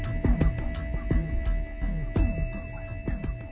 หวังหวัง